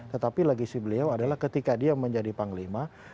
tetapi legisi beliau adalah ketika dia menjadi panglima